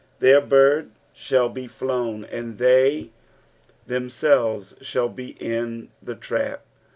Their bird shall be flown, and they themselves shall be in the trap.